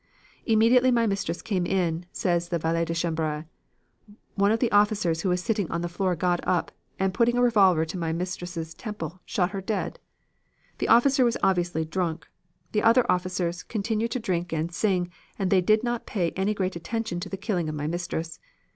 "'Immediately my mistress came in,' says the valet de chambre, 'one of the officers who was sitting on the floor got up, and, putting a revolver to my mistress' temple, shot her dead. The officer was obviously drunk. The other officers continued to drink and sing, and they did not pay any great attention to the killing of my mistress.